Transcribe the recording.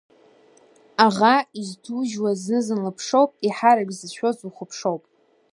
Аӷа изҭужьуаз зны-зынла ԥшоуп, еиҳарак дзыцәшәоз ухыԥшоуп.